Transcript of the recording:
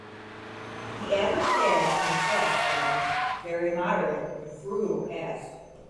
The average status was assessed as "very moderate and frugal cast".